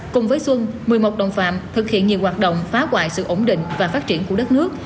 cùng với xuân một mươi một đồng phạm thực hiện nhiều hoạt động phá hoại sự ổn định và phát triển của đất nước